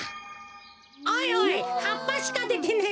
おいおいはっぱしかでてねえぞ。